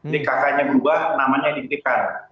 di kakaknya berubah namanya dititipkan